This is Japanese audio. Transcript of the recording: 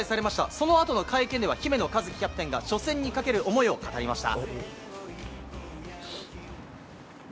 そのあとの会見では姫野和樹キャプテンが初戦にかける思いを語りました。